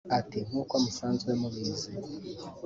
Ati “ Nk’uko musanzwe mubizi